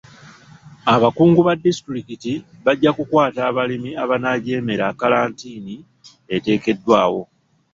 Abakungu ba disitulikiti bajja kukwata abalimi abanaajemera kkalantiini eteekeddwawo.